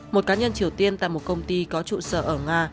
một cá nhân triều tiên tại một công ty có trụ sở ở nga